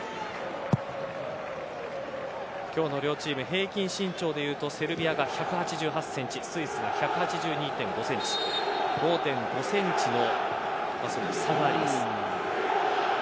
今日の両チーム平均身長でいうとセルビアが１８８センチスイスが１８２．５センチ５．５センチの差があります。